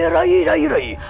rai rai rai